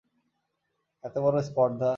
এত বড়ো স্পর্ধা!